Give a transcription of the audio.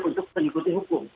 untuk mengikuti hukum